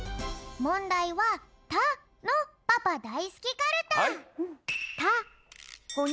もんだいは「た」のパパだいすきカルタ。